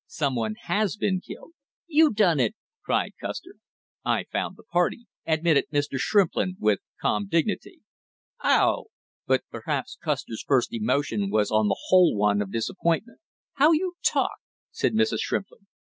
"Some one has been killed!" "You done it!" cried Custer. "I found the party," admitted Mr. Shrimplin with calm dignity. "Oh!" But perhaps Custer's first emotion was on the whole one of disappointment. "How you talk!" said Mrs. Shrimplin.